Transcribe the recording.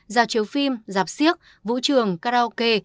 giao chiếu phim giạp siếc vũ trường karaoke